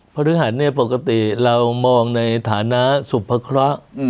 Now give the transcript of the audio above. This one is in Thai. พฤหัสปกติเรามองในฐานะสุพคระ